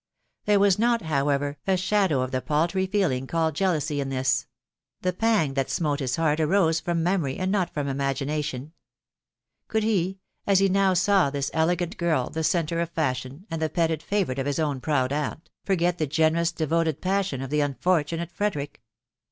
There was uot, however, a shadow of the paltry feeling called jealousy in this ; the pang that smote his heart arose from memory, and not from imagination. Could he, as he now saw this elegant girl the centre of fashion, and the petted favourite of his own proud aunt, forget the generous devoted passion of the unfortunate Frederic ?